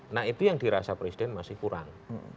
nah itu yang dirasa presiden masih kurang